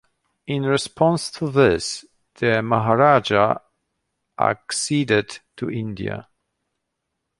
In response to this, the Maharaja acceded to India.